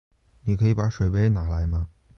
你可以把水杯拿来吗？